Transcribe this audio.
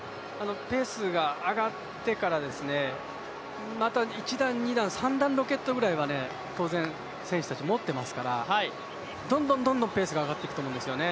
ペースが上がってから、また１段、２段、３段ロケットぐらいは当然選手たち持っていますからどんどんペースが上がっていくと思うんですね。